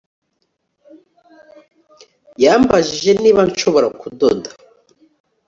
Yambajije niba nshobora kudoda